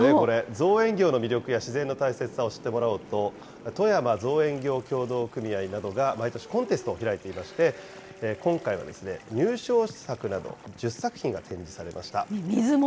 造園業の魅力や自然の大切さを知ってもらおうと、富山造園業協同組合などが毎年、コンテストを開いていまして、今回は入賞作など１０作品が展示されました。